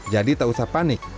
jadi tak usah panik